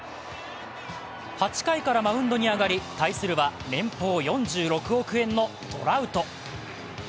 ８回からマウンドに上がり、対するは年俸４６億円のトラウト。